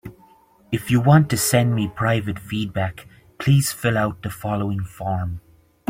If you want to send me private feedback, please fill out the following form.